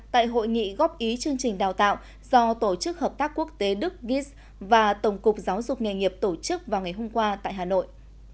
tại hội nghị góp ý chương trình đào tạo do tổ chức hợp tác quốc tế đức giz và tổng cục giáo dục nghề nghiệp tổ chức vào ngày hôm qua tại hà nội